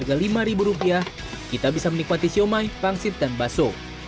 di harga lima ribu rupiah kita bisa menikmati siomay pangsit dan baso